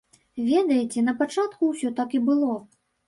Ведаеце, на пачатку ўсё так і было.